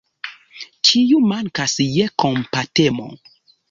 Kiu mankas je kompatemo?